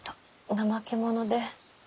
怠け者で。